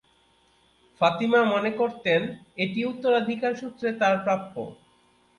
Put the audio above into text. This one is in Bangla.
ফাতিমা মনে করতেন এটি উত্তরাধিকারসূত্রে তাঁর প্রাপ্য।